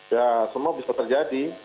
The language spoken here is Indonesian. ya semua bisa terjadi